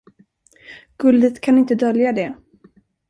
Guldet kan inte dölja det.